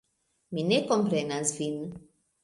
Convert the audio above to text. Mi ne komprenas vin.